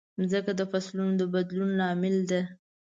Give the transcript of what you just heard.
مځکه د فصلونو د بدلون لامل ده.